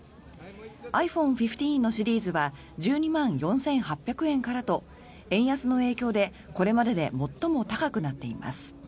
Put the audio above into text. ｉＰｈｏｎｅ１５のシリーズは１２万４８００円からと円安の影響でこれまでで最も高くなっています。